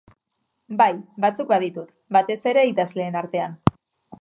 Bai, batzuk baditut, batez ere idazleen artean.